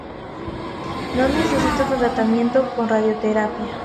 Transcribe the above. No necesitó tratamiento con radioterapia.